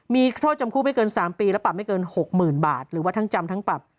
มีโทษจำคุกไม่เกิน๓ปีและปรับไม่เกิน๖๐๐๐บาทหรือว่าทั้งจำทั้งปรับ